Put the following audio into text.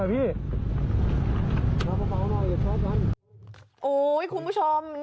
ประเภทของผู้ชม